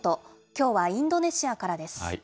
きょうはインドネシアからです。